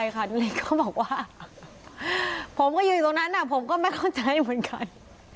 ค่ะนาริสต์ก็บอกว่าผมคงยืนอยู่ตรงนั้นผมไม่เข้าใจเหมือนกัน